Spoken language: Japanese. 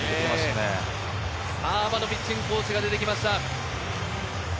阿波野ピッチングコーチが出て来ました。